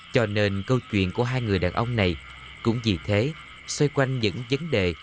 cho nên câu chuyện của hai người đàn ông này cũng vì thế xoay quanh những vấn đề